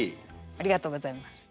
ありがとうございます。